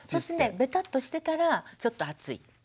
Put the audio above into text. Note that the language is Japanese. ベタッとしてたらちょっと暑い。